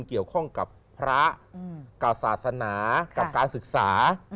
เกี่ยวข้องกับพระกับศาสนากับการศึกษา